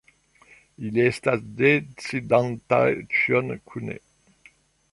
Ili estis decidantaj ĉion kune.